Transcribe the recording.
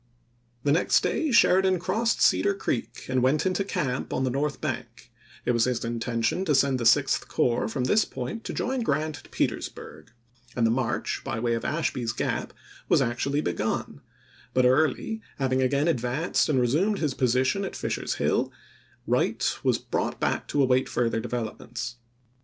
The next day Sheridan crossed Cedar Creek and went into camp on the north bank ; it was his in tention to send the Sixth Corps from this point to join Grant at Petersburg, and the march, by way of Ashby's Gap, was actually begun; but Early, having again advanced and resumed his position at Fisher's Hill, Wright was brought back to await further developments.